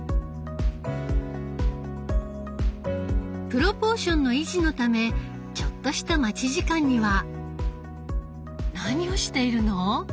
プロポーションの維持のためちょっとした待ち時間には何をしているの？